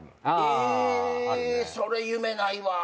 えそれ夢ないわぁ。